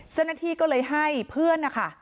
เจ้าหน้าที่ก็เลยให้เพื่อนนะคะ